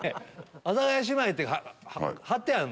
「阿佐ヶ谷姉妹」って張ってある。